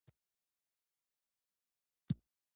د ښوونځیو د جوړولو او پوستې په برخه کې.